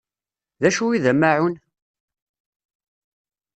D acu i d amaεun?